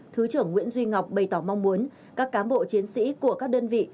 thứ trưởng nguyễn duy ngọc bày tỏ mong muốn các cán bộ chiến sĩ của các đơn vị